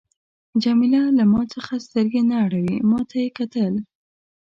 جميله له ما څخه سترګې نه اړولې، ما ته یې کتل.